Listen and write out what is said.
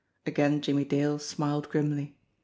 Again Jimmie Dale smiled grimly.